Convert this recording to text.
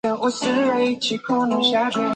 缅甸金丝猴分布于缅甸北部。